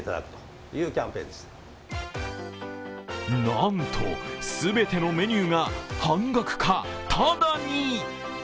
なんと全てのメニューが半額か、ただに。